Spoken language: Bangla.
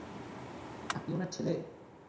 আপনি ওনার ছেলে?